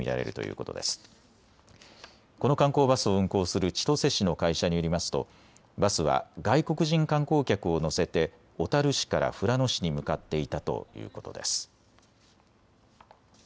この観光バスを運行する千歳市の会社によりますとバスは外国人観光客を乗せて小樽市から富良野市に向かっていたということです。